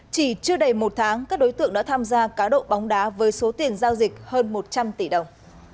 chỉ chưa đầy một tháng các đối tượng đã tham gia cá độ bóng đá với số tiền giao dịch hơn một trăm linh tỷ đồng